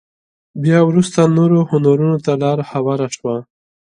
بيا وروسته نورو هنرونو ته لاره هواره شوه.